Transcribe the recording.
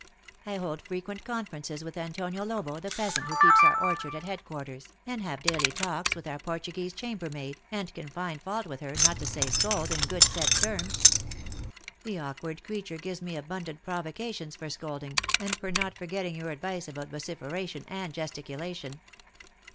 I hold frequent conferences with Antonio Lobo, the peasant who keeps our orchard at head quarters, and have daily talks with our Portuguese chamber maid, and THE ACTRESS IN can find fault with her, not to say scold, in good set terms. The awkward creature gives me abundant provocation for scolding, and for not forgetting your advice about vociferation and gesticulation."